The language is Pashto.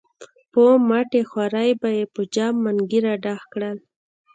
په مټې خوارۍ به یې په جام منګي را ډک کړل.